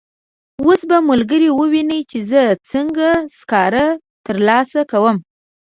اوس به ملګري وویني چې زه څنګه سکاره ترلاسه کوم.